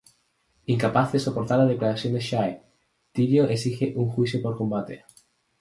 Incapaz de soportar la declaración de Shae, Tyrion exige un juicio por combate.